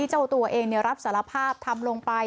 เจ้าตัวเองรับสารภาพทำลงไป